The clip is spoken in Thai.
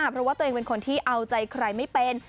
เพราะว่าตัวเองเป็นคนที่เอาใจใครไม่เป็น